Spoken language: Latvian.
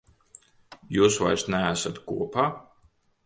Jūs vairs neesat kopā?